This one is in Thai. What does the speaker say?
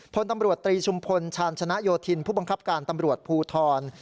พลตำรวจตรีชุมพลชาญชนะโยธินผู้บังคับการตำรวจภูทร